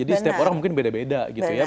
jadi setiap orang mungkin beda beda gitu ya